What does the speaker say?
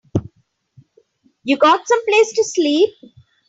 You got someplace to sleep?